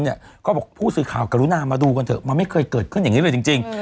เขาบอกผู้สื่อข่าวกรุณามาดูกันเถอะมันไม่เคยเกิดขึ้นอย่างนี้เลยจริง